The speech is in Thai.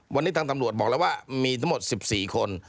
วันนี้ทางตำรวจบอกแล้วว่ามีทั้งหมด๑๔คน